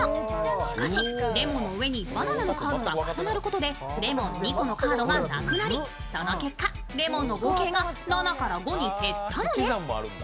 しかし、レモンの上にバナナのカードが重なることで、レモン２個のカードがなくなり、その結果、レモンの合計が７から５に減ったのです。